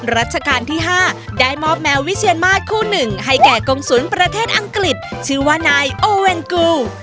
รัชกาลที่๕ได้มอบแมววิเชียนมาสคู่หนึ่งให้แก่กงศูนย์ประเทศอังกฤษชื่อว่านายโอเวนกู